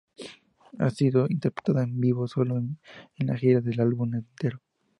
Ha sido interpretada en vivo sólo en la gira del álbum entero.